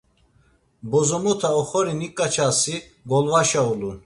Bozomota oxori niǩaçasi golvaşa ulun.